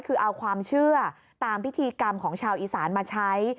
คือเอาความเชื่อตามพิธีกรรมของชาวอีสานมาใช้